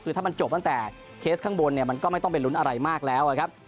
คือถ้ามันจบตั้งแต่เคสข้างบนเนี่ยมันก็ไม่ต้องไปลุ้นอะไรมากแล้วครับ